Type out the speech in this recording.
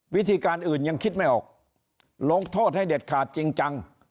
วิธีการอื่นยังคิดไม่ออกลงโทษให้เด็ดขาดจริงจัง